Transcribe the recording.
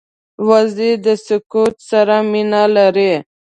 وزې د سکوت سره مینه لري